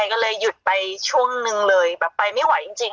ก็เลยหยุดไปช่วงนึงเลยแบบไปไม่ไหวจริง